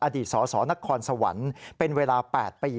อดีตสสนครสวรรค์เป็นเวลา๘ปี